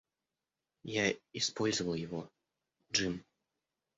Я использовал его, Джим.